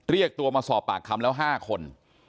เรียกตัวมาสอบปากคำแล้ว๕คน